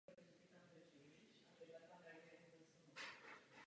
Hovořilo se tehdy o roku bez léta.